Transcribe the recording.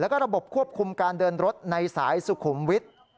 แล้วก็ระบบควบคุมการเดินรถในสายสุขุมวิทย์